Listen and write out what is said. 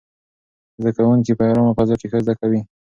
زده کوونکي په ارامه فضا کې ښه زده کوي.